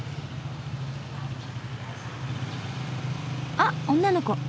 あっ女の子。